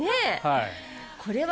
これは。